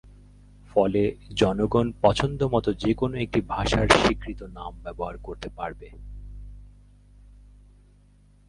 ফলে জনগণ পছন্দমতো যেকোনো একটি ভাষায় স্বীকৃত নাম ব্যবহার করতে পারবে।